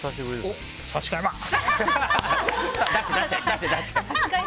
差し替えます！